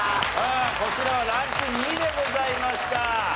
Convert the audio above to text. こちらはランク２でございました。